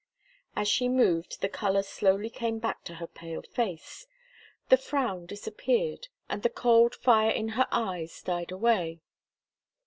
As she moved the colour slowly came back to her pale face, the frown disappeared and the cold fire in her eyes died away.